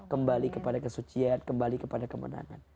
kembali kepada kesucian kembali kepada kemenangan